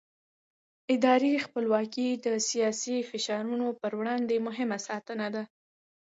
اداري خپلواکي د سیاسي فشارونو پر وړاندې مهمه ساتنه ده